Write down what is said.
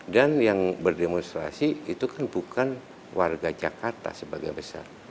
dan yang berdemonstrasi itu kan bukan warga jakarta sebagai besar